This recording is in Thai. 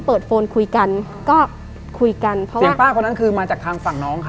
โฟนคุยกันก็คุยกันเพราะว่าคุณป้าคนนั้นคือมาจากทางฝั่งน้องเขา